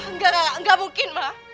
enggak enggak enggak mungkin mbak